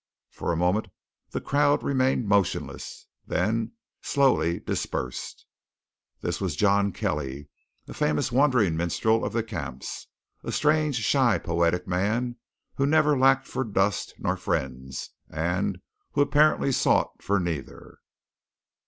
For a moment the crowd remained motionless, then slowly dispersed. This was John Kelly, a famous wandering minstrel of the camps, a strange, shy, poetic man, who never lacked for dust nor for friends, and who apparently sought for neither.